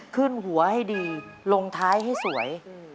ขึ้นหัวให้ดีลงท้ายให้สวย